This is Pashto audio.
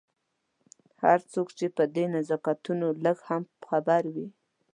هر څوک چې په دې نزاکتونو لږ هم خبر وي.